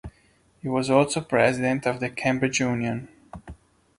He was also president of the Cambridge Union.